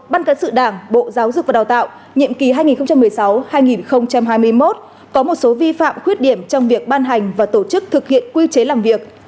ban cán sự đảng bộ giáo dục và đào tạo nhiệm kỳ hai nghìn một mươi sáu hai nghìn hai mươi một có một số vi phạm khuyết điểm trong việc ban hành và tổ chức thực hiện quy chế làm việc